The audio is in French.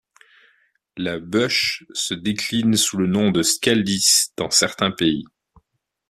La Bush se décline sous le nom de Scaldis dans certains pays.